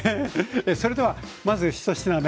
それではまず１品目